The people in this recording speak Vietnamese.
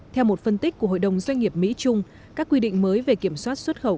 theo một phân tích của hội đồng doanh nghiệp mỹ trung các quy định mới về kiểm soát xuất khẩu